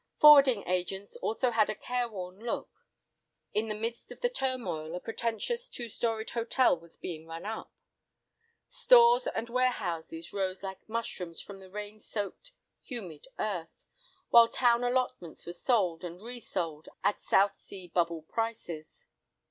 Forwarding agents also had a careworn look. In the midst of the turmoil, a pretentious two storied hotel was being run up. Stores and warehouses rose like mushrooms from the rain soaked, humid earth, while town allotments were sold, and resold, at South Sea Bubble prices.